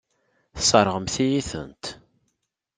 Tesseṛɣemt-iyi-tent.